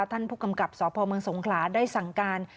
ท่านผู้กำกับสพเมืองสงขลาได้สั่งการ